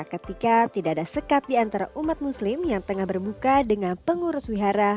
ketika tidak ada sekat di antara umat muslim yang tengah berbuka dengan pengurus wihara